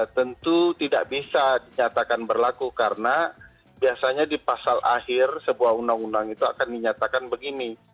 tentu tidak bisa dinyatakan berlaku karena biasanya di pasal akhir sebuah undang undang itu akan dinyatakan begini